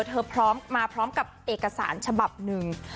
พร้อมมาพร้อมกับเอกสารฉบับหนึ่ง